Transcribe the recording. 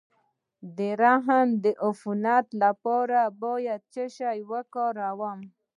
د رحم د عفونت لپاره باید څه شی وکاروم؟